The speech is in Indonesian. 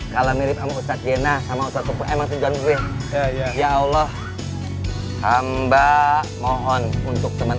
kalau mirip sama ustadz jena sama ustadz sepuh ya allah hamba mohon untuk teman